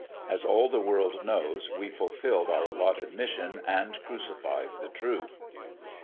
As all the world knows, we fulfilled our allotted mission and crucified the Truth.